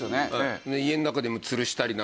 家の中にも吊るしたりなんかして。